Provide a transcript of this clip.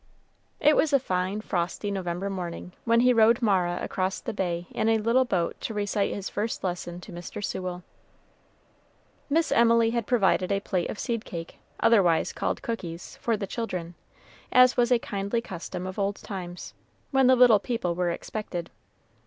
It was a fine, frosty November morning, when he rowed Mara across the bay in a little boat to recite his first lesson to Mr. Sewell. Miss Emily had provided a plate of seed cake, otherwise called cookies, for the children, as was a kindly custom of old times, when the little people were expected.